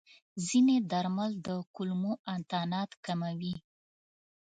ځینې درمل د کولمو انتانات کموي.